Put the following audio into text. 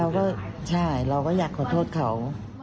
เราก็ใช่เราก็อยากขอโทษเขา